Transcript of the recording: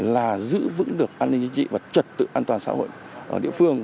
là giữ vững được an ninh chính trị và trật tự an toàn xã hội ở địa phương